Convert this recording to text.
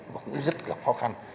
và cũng rất gặp khó khăn